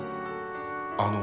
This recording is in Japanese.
あの。